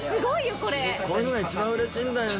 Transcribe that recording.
こういうのが一番うれしいんだよね。